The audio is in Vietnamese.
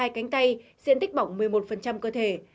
hai cánh tay diện tích bỏng một mươi một cơ thể